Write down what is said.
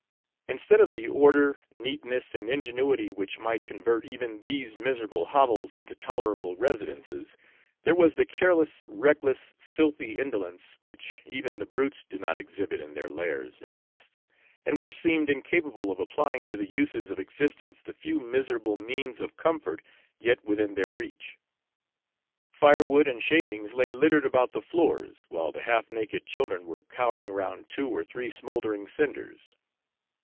Instead of the order, neatness, and ingenuity which might convert even these miserable hovels into tolerable residences, there was the careless, reckless, filthy indolence which even the brutes do not exhibit in their lairs and nests, and which seemed incapable of applying to the uses of existence the few miserable means of comfort yet within their reach. Firewood and shavings lay littered about the floors, while the half naked children were cowering round two or three smouldering cinders.